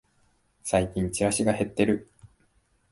最近チラシが減ってる